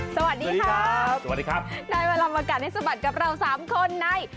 สวัสดีครับสวัสดีครับได้เวลามากัดให้สะบัดกับเราสามคนใน